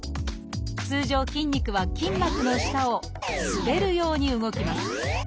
通常筋肉は筋膜の下を滑るように動きます。